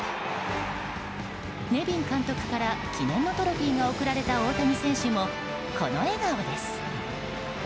ネビン監督から記念のトロフィーが贈られた大谷選手もこの笑顔です。